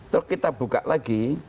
terus kita buka lagi